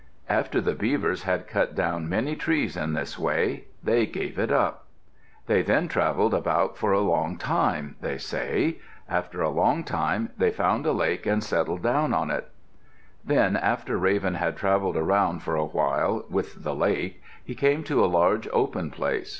After the Beavers had cut down many trees in this way, they gave it up. They then travelled about for a long time, they say. After a long time, they found a lake and settled down on it. Then after Raven had travelled around for a while with the lake, he came to a large open place.